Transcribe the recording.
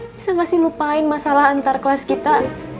bisa gak sih lupain masalah antar kelas kita